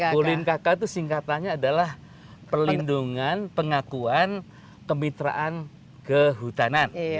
kulin kk itu singkatannya adalah pelindungan pengakuan kemitraan kehutanan